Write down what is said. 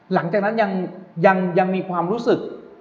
หลังจากนั้นยังมีความรู้สึก